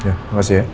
ya makasih ya